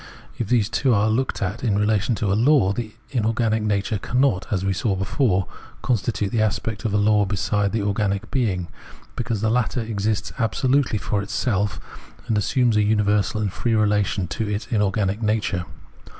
If these two are looked at in relation to a law, the inorganic nature cannot, as we saw before, constitute the aspect of a law beside the organic being, because the latter exists absolutely for itself, and assumes a imiversal and free relation to inorganic nature.